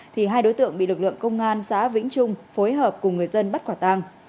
thì hai đối tượng bị lực lượng công an xã vĩnh trung phối hợp cùng người dân bắt quả tang